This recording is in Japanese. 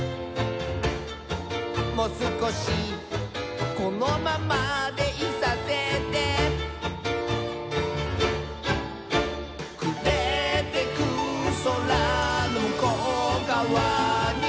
「もすこしこのままでいさせて」「くれてくそらのむこうがわに」